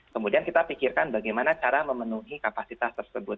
kemudian kita pikirkan bagaimana cara memenuhi kapasitas tersebut